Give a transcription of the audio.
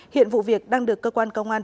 hiện vụ việc đang được cơ quan công an